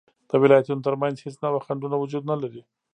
د ولایتونو تر منځ هیڅ نوعه خنډونه وجود نلري